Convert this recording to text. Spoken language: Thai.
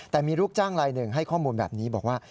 แต่มีลูกจ้างลายหนึ่งให้ข้อมูลแบบนี้บอกว่า